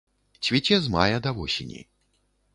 Цвіце з мая да восені.